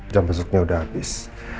jam besuknya udah habis